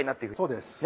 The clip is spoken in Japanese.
そうです。